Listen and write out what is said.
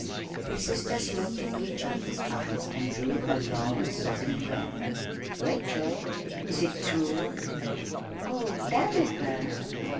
The sisters looked into each other's eyes and drew a long, sobbing breath. "Rachel, is it true?" "Oh, Tabitha!